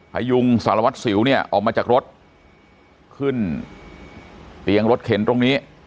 พยุงสารวัตรสิวเนี่ยออกมาจากรถขึ้นเตียงรถเข็นตรงนี้